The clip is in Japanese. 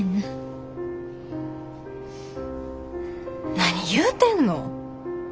何言うてんの。